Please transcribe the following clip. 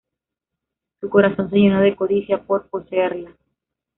Su corazón se llenó de codicia por poseerla.